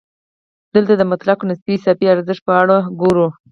دلته د مطلق او نسبي اضافي ارزښت په اړه ګورو